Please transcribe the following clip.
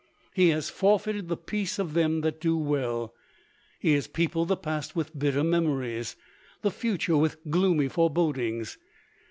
He has forfeited the peace of them that do well. He has peopled the past with bitter memories; the future with gloomy forebodings.